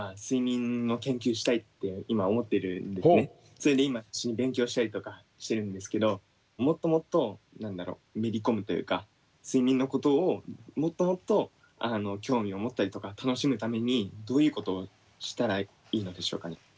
それで今勉強したりとかしてるんですけどもっともっとめり込むというか睡眠のことをもっともっと興味を持ったりとか楽しむためにどういうことをしたらいいのでしょうかね？